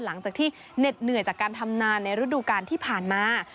หลังจากที่เหน็ดเหนื่อยจากการทำนานในฤดูการที่ผ่านมา